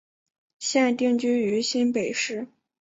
现定居于新北市。